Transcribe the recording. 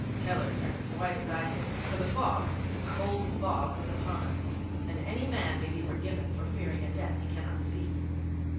Keller turned as white as I did, for the fog, the cold fog, was upon us, and any man may be forgiven for fearing a death he cannot see.